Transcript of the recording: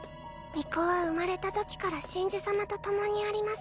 巫女は生まれたときから神樹様と共にあります。